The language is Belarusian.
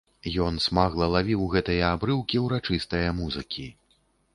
Ён смагла лавіў гэтыя абрыўкі ўрачыстае музыкі.